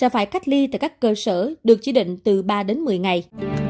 phải cách ly tại các cơ sở được chỉ định từ ba đến một mươi ngày